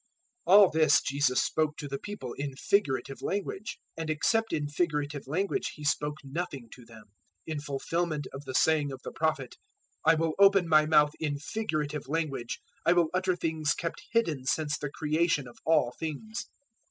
013:034 All this Jesus spoke to the people in figurative language, and except in figurative language He spoke nothing to them, 013:035 in fulfilment of the saying of the Prophet, "I will open my mouth in figurative language, I will utter things kept hidden since the creation of all things."